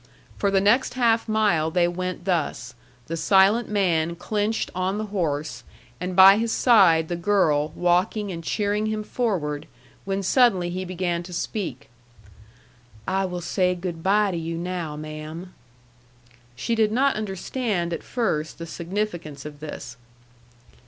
For the next half mile they went thus, the silent man clinched on the horse, and by his side the girl walking and cheering him forward, when suddenly he began to speak: "I will say good by to you now, ma'am." She did not understand, at first, the significance of this.